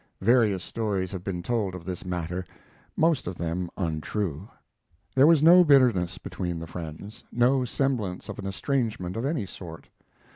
Various stories have been told of this matter, most of them untrue. There was no bitterness between the friends, no semblance of an estrangement of any sort.